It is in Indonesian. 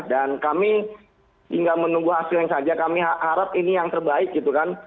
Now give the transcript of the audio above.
dan kami hingga menunggu hasilnya saja kami harap ini yang terbaik gitu kan